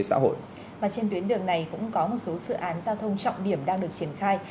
và trên tuyến đường này cũng có một số dự án giao thông trọng điểm đang được triển khai